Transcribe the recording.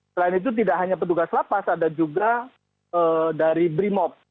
selain itu tidak hanya petugas lapas ada juga dari brimop